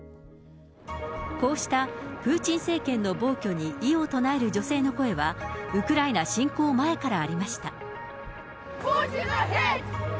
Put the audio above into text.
こうしたプーチン政権の暴挙に、異を唱える女性の声はウクライナ侵攻前からありました。